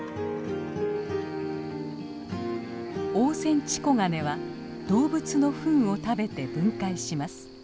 オオセンチコガネは動物のふんを食べて分解します。